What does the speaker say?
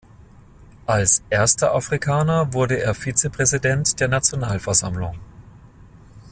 Als erster Afrikaner wurde er Vizepräsident der Nationalversammlung.